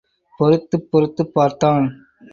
பொறுத்துப் பொறுத்துப் பார்த்தான்.